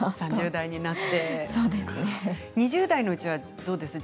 ３０代になって２０代のうちはどうですか？